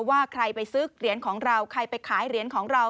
ว่าใครไปซื้อเหรียญของเราใครไปขายเหรียญของเรา